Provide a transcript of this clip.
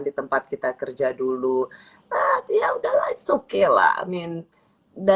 di tempat kita kerja dulu ya udah lain sukila amin dari liputan enam juga kakak j kan jadi punya panggungnya